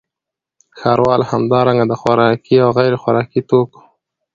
ښاروال همدارنګه د خوراکي او غیرخوراکي توکو